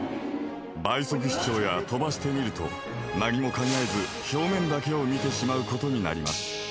倍速視聴や飛ばして見ると何も考えず表面だけを見てしまうことになります。